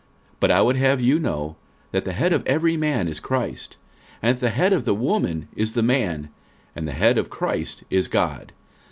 46:011:003 But I would have you know, that the head of every man is Christ; and the head of the woman is the man; and the head of Christ is God.